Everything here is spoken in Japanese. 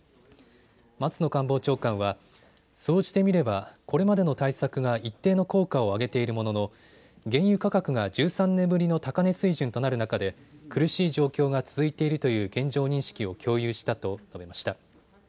松野官房長官は総じて見ればこれまでの対策が一定の効果を上げているものの原油価格が１３年ぶりの高値水準となる中で苦しい状況が続いているという現状認識を共有したと述べました。